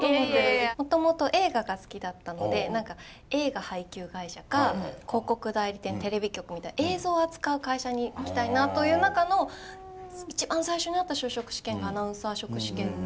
もともと映画が好きだったので映画配給会社か広告代理店テレビ局映像を扱う会社に行きたいなという中の一番最初にあった就職試験がアナウンサー職試験で。